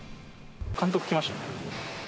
監督、来ました。